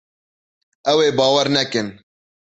Ew ê bawer nekin.